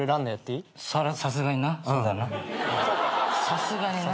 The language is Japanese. さすがにな。